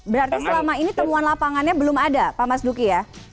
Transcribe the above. berarti selama ini temuan lapangannya belum ada pak mas duki ya